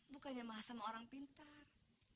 bukannya malah sama orang pintar